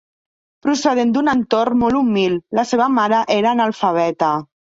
Procedent d'un entorn molt humil, la seva mare era analfabeta.